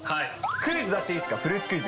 クイズ出していいですか、フルーツクイズ。